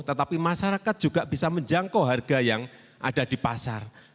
tetapi masyarakat juga bisa menjangkau harga yang ada di pasar